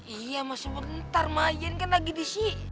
iya mas sebentar mak jan kan lagi di sik